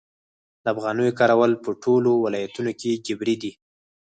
د افغانیو کارول په ټولو ولایتونو کې جبري دي؟